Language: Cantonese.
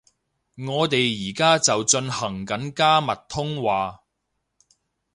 我哋而家就進行緊加密通話